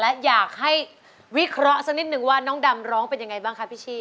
และอยากให้วิเคราะห์สักนิดนึงว่าน้องดำร้องเป็นยังไงบ้างคะพี่ชี่